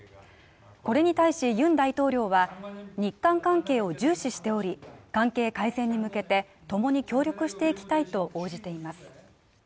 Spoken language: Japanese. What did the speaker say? これに対しユン大統領は、日韓関係を重視しており関係改善に向けて共に協力していきたいと応じています。